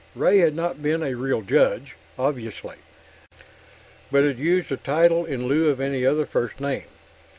Ray had not been a real judge, obviously, but had used the title in lieu of any other first name.